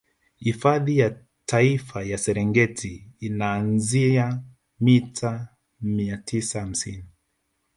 Hifadhi ya Taifa ya Serengeti inaanzia mita mia tisa hamsini